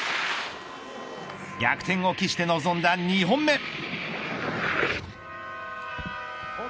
逆転を喫して臨んだ２本目。